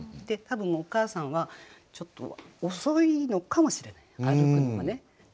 多分お母さんはちょっと遅いのかもしれない歩くのがね。